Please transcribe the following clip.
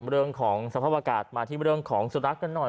บริเวณของสภาพอากาศมาที่บริเวณของสุนัขกันหน่อย